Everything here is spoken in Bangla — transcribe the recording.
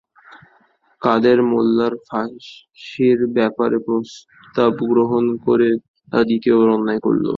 কাদের মোল্লার ফাঁসির ব্যাপারে প্রস্তাব গ্রহণ করে তারা দ্বিতীয়বার অন্যায় করল।